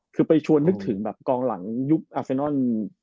คือไปชวนนึกถึงแบบกองหลังยุคอาเซนอน